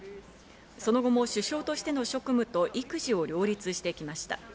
その後も首相としての職務と育児を両立してきました。